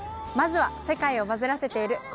まずは世界をバズらせている